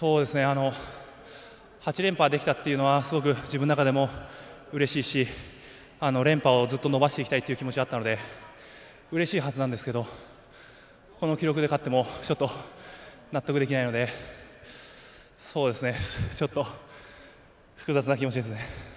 ８連覇できたっていうのはすごく自分の中でもうれしいし連覇をずっと伸ばしていきたいという気持ちがあったのでうれしいはずなんですけどこの記録で勝ってもちょっと納得できないのでちょっと複雑な気持ちですね。